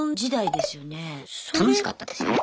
楽しかったですよ。ね！